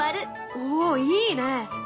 おおいいね。